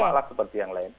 sama lah seperti yang lain